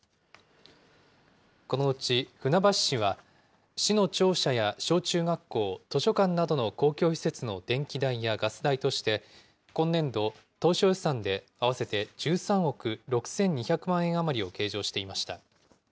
このうち船橋市は、市の庁舎や小中学校、図書館などの公共施設の電気代やガス代として、今年度、当初予算で合わせて１３億６２００万円余りを計上していました。